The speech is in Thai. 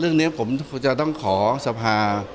เรื่องนี้ผมจะต้องขอสภา